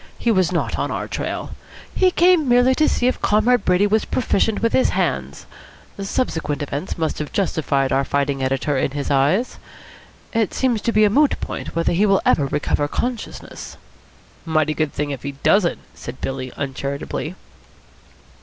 He was not on our trail. He came merely to see if Comrade Brady was proficient with his hands. Subsequent events must have justified our fighting editor in his eyes. It seems to be a moot point whether he will ever recover consciousness." "Mighty good thing if he doesn't," said Billy uncharitably.